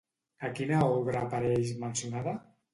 A quina obra apareix mencionada?